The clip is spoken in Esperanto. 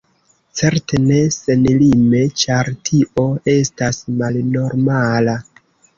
Certe ne senlime, ĉar tio estas malnormala.